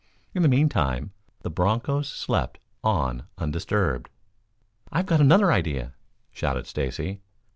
In the meantime, the bronchos slept on undisturbed. "I've got another idea," shouted Stacy.